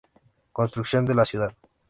Construcción de la Ciudad.